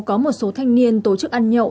có một số thanh niên tổ chức ăn nhậu